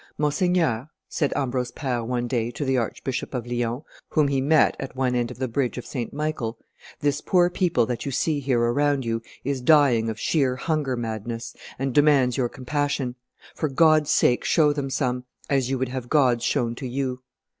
"Monseigneur," said Ambrose Pare one day to the Archbishop of Lyons, whom he met at one end of the bridge of St. Michael, "this poor people that you see here around you is dying of sheer hunger madness, and demands your compassion. For God's sake show them some, as you would have God's shown to you.